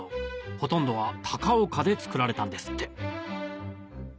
ほとんどは高岡で作られたんですって